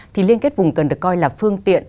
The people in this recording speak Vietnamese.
thì liên kết vùng cần được coi là phương tiện